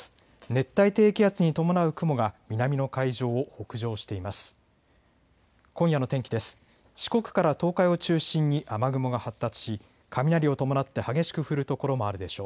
熱帯低気圧に伴う雲が南の海上を北上しています。